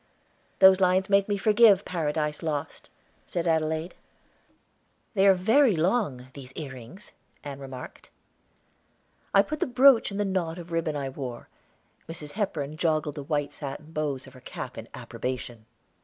'" "Those lines make me forgive Paradise Lost," said Adelaide. "They are very long, these ear rings," Ann remarked. I put the brooch in the knot of ribbon I wore; Mrs. Hepburn joggled the white satin bows of her cap in approbation.